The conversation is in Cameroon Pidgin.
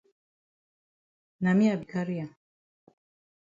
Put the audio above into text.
Na me I be carry am.